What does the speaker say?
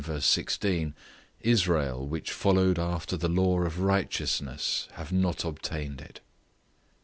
16, "Israel, which followed after the law of righteousness, have not obtained it."